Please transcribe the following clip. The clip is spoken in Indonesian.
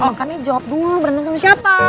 makanya jawab dulu berantem sama siapa